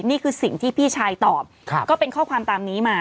นี่คือสิ่งที่พี่ชายตอบก็เป็นข้อความตามนี้มา